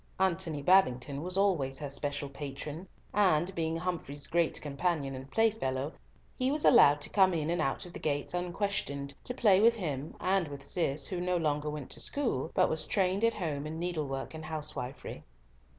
Antony Babington was always her special patron, and being Humfrey's great companion and playfellow, he was allowed to come in and out of the gates unquestioned, to play with him and with Cis, who no longer went to school, but was trained at home in needlework and housewifery.